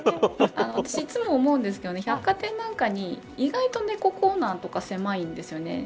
私、いつも思うんですけど百貨店なんかに、意外と猫コーナーとか狭いんですよね。